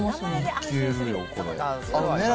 いけるよ、これ。